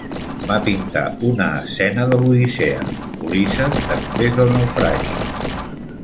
Va pintar una escena de "L'Odissea", "Ulisses després del naufragi".